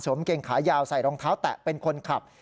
เกงขายาวใส่รองเท้าแตะเป็นคนขับ